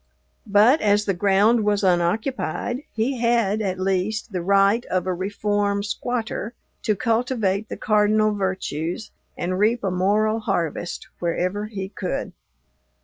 But, as the ground was unoccupied, he had, at least, the right of a reform "squatter" to cultivate the cardinal virtues and reap a moral harvest wherever he could.